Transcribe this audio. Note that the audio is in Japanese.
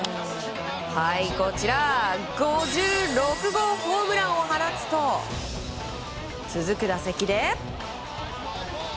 ５６号ホームランを放つと続く打席で。